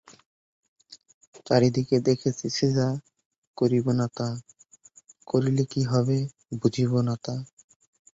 গ্রামীণ জনগণের সমর্থন লাভের লক্ষ্যে জননেতাগণ অত্যাচারী জমিদারদের বিরুদ্ধে কৃষকদের সংগঠিত করতে শুরু করে।